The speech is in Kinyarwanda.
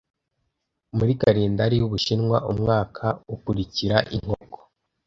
Muri kalendari y'Ubushinwa umwaka ukurikira Inkoko